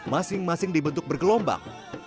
masing masing dibentuk bergelombang